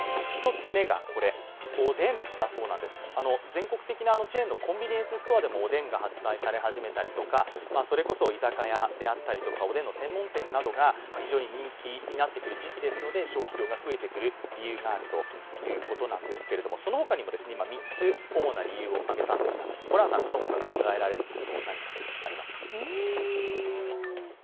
全国的にチェーンのコンビニエンスストアでもおでんが発売され始めたりとかそれこそ居酒屋であったりとかおでんの専門店などが非常に人気になってくる時期ですので消費量が増えてくる理由があるということなんですけれども、その他にも３つ、主な理由を挙げたんですがホランさん、この他考えられることありますか？